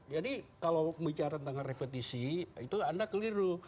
kalau bicara tentang repetisi itu anda keliru